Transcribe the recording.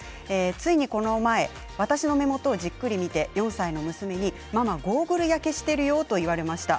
ついに、この前私の目元をじっくり見て４歳の娘にママゴーグル焼けしているよと言われました。